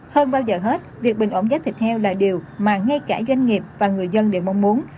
hơn bao giờ hết việc bình ổn giá thịt heo là điều mà ngay cả doanh nghiệp và người dân đều mong muốn